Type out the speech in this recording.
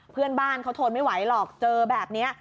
เพื่อนบ้านเขาทนไม่ไหวหรอกเจอแบบนี้